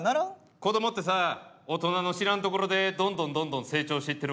子どもってさ大人の知らんところでどんどんどんどん成長していってるわけ。